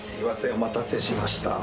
お待たせしました。